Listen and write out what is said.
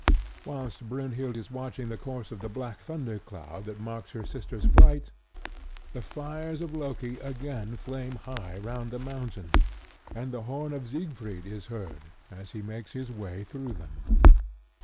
Whilst Brynhild is watching the course of the black thundercloud that marks her sister's flight, the fires of Loki again flame high round the mountain; and the horn of Siegfried is heard as he makes his way through them.